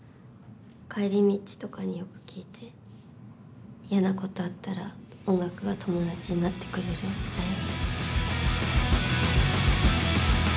帰り道とかによく聴いて嫌なことあったら音楽が友達になってくれるみたいな。